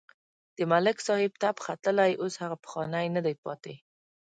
د ملک صاحب تپ ختلی اوس هغه پخوانی نه دی پاتې.